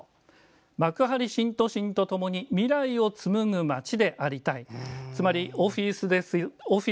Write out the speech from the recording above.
「幕張新都心とともに未来を紡ぐ街でありたい」。